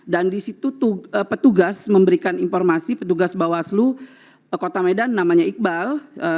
dan di situ petugas memberikan informasi petugas bawaslu kota medan namanya iqbal